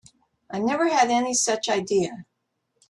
I never had any such idea.